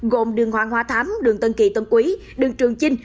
gồm đường hoàng hóa thám đường tân kỳ tân quý đường trường chinh